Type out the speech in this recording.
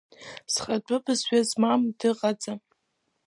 Зхатәы бызшәа змам дыҟаӡам.